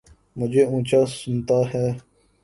مجھے اونچا سنتا ہے